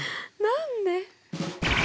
何で！？